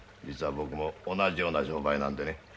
実は僕も同じような商売なんでね。